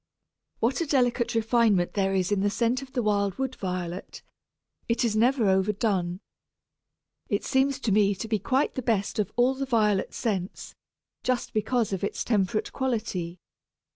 What a delicate refinement there is in the scent of the wild Wood Violet; it is never overdone. It seems to me to be quite the best of all the violet scents, just because of its temperate quality.